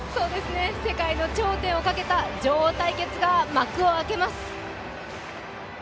世界の頂点をかけた女王対決が幕を開けます。